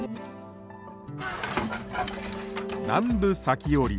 南部裂き織。